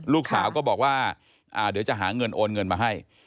ลูกสาวก็บอกว่าเดี๋ยวจะหาเงินโอนเงินมาให้